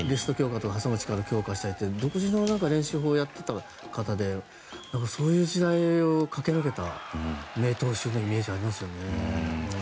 挟む力を強化したいって独自の練習法をやっていた方でそういう時代を駆け抜けた名投手のイメージがありますよね。